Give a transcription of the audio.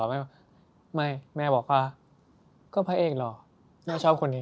แม่ไม่แม่บอกว่าก็พระเอกหรอแม่ชอบคนนี้